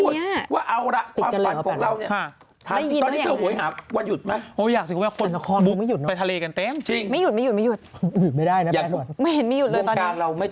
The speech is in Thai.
เนี่ยก็บอกมือผู้ชายคุณไปยินดูเนทฟิคเรียบไป